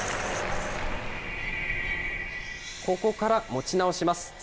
ここから持ち直します。